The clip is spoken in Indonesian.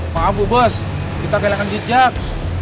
maaf bos kita belakan jejak